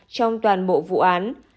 trong toàn bộ vụ án